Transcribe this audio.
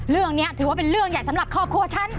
เรื่องนี้ถือว่าเป็นเรื่องใหญ่สำหรับครอบครัวฉัน